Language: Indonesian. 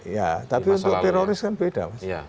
ya tapi untuk teroris kan beda mas